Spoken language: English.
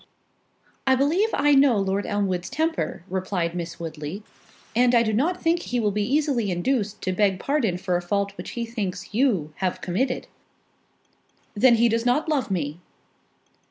"I believe I know Lord Elmwood's temper," replied Miss Woodley, "and I do not think he will be easily induced to beg pardon for a fault which he thinks you have committed." "Then he does not love me."